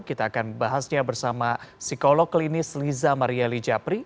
kita akan bahasnya bersama psikolog klinis liza mariali japri